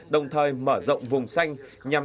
đồng thời mở rộng vùng xanh nhằm